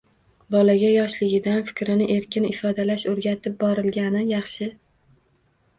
Bolaga yoshligidan fikrini erkin ifodalash o‘rgatib borilgani yaxshi.